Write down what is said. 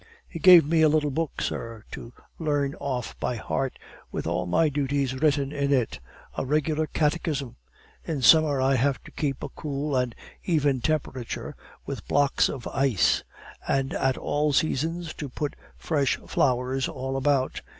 He gave me a little book, sir, to learn off by heart, with all my duties written in it a regular catechism! In summer I have to keep a cool and even temperature with blocks of ice and at all seasons to put fresh flowers all about.